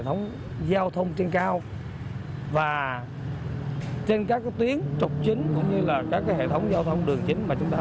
hệ thống giao thông trên cao và trên các tuyến trục chính cũng như là các hệ thống giao thông đường chính mà chúng ta